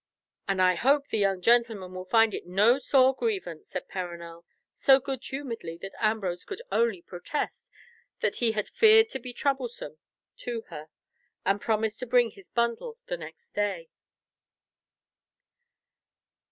"And I hope the young gentleman will find it no sore grievance," said Perronel, so good humouredly that Ambrose could only protest that he had feared to be troublesome to her, and promise to bring his bundle the next day.